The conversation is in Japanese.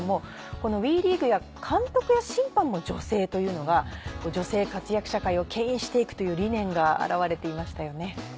このＷＥリーグは監督や審判も女性というのが女性活躍社会をけん引して行くという理念が表れていましたよね。